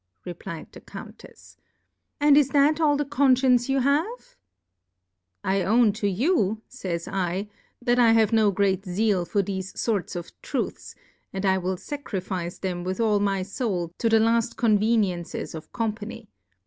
refly'^d the Coun tefs : x4ind is that all the Confcience you have f I own to you, fays /, that I have no great Zeal for thefe forts of Truths, and I will facrifice them with all my Soul to the laft conveniencies of Com 1(5 S Difcoiufcs on the Company.